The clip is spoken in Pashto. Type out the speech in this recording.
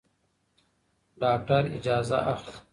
ډاکټر اجازه اخلي.